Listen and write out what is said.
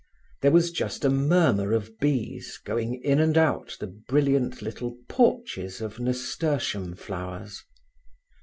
There was just a murmur of bees going in and out the brilliant little porches of nasturtium flowers.